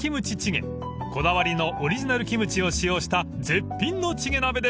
［こだわりのオリジナルキムチを使用した絶品のチゲ鍋です］